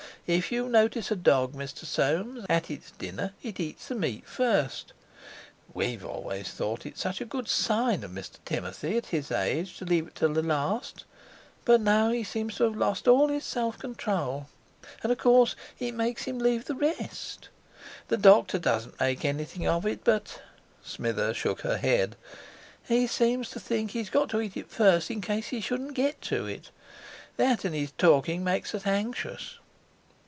If you notice a dog, Mr. Soames, at its dinner, it eats the meat first. We've always thought it such a good sign of Mr. Timothy at his age to leave it to the last, but now he seems to have lost all his self control; and, of course, it makes him leave the rest. The doctor doesn't make anything of it, but"—Smither shook her head—"he seems to think he's got to eat it first, in case he shouldn't get to it. That and his talking makes us anxious."